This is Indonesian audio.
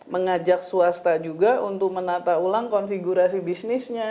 mengajak swasta juga untuk menata ulang konfigurasi bisnisnya